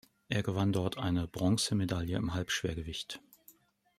Er gewann dort eine Bronzemedaille im Halbschwergewicht.